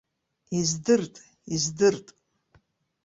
Издырт, издырт.